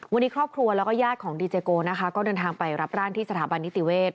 วันนี้ครอบครัวแล้วก็ญาติของดีเจโกนะคะก็เดินทางไปรับร่างที่สถาบันนิติเวศ